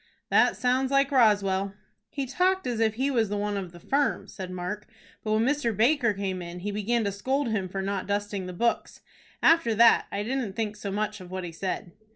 "That sounds like Roswell." "He talked as if he was one of the firm," said Mark; "but when Mr. Baker came in, he began to scold him for not dusting the books. After that I didn't think so much of what he said."